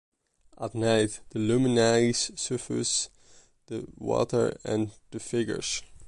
At night, the luminaries suffuse the water and the figures.